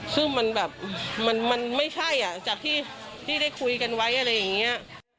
ซึ่งมันแบบมันไม่ใช่อ่ะจากที่ได้คุยกันไว้อะไรอย่างนี้